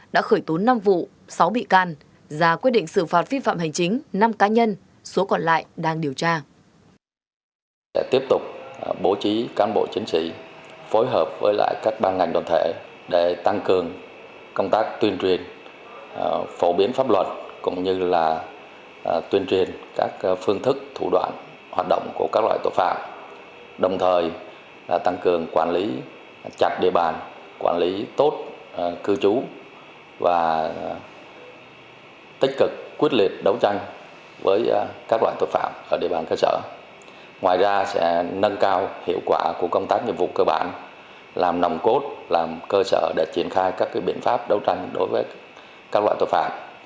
đã khởi tốn năm vụ sáu bị can và quyết định xử phạt vi phạm hành chính năm cá nhân số còn lại đang điều tra